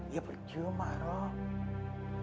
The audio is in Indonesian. ya berjumah rob